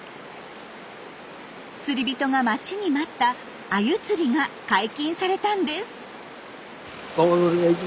釣り人が待ちに待ったアユ釣りが解禁されたんです。